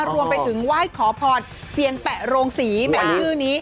รวมไปถึงไหว้ขอพรเซียนแปะโรงศรีแหมชื่อนี้